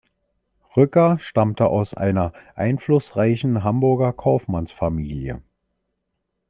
Rücker stammte aus einer einflussreichen Hamburger Kaufmannsfamilie.